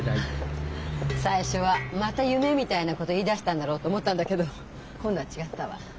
最初はまた夢みたいなこと言いだしたんだろうと思ったんだけど今度は違ったわ。